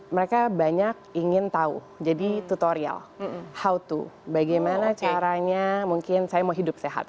mereka banyak ingin tahu jadi tutorial how to bagaimana caranya mungkin saya mau hidup sehat